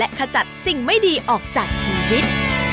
ขจัดสิ่งไม่ดีออกจากชีวิต